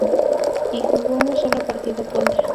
Y jugó un solo partido contra.